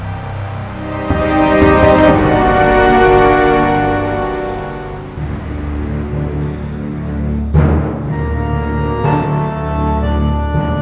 katherine enggak pernah pernah sebatas mata sel station uhr